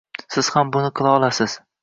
Siz ham buni qila olasiz.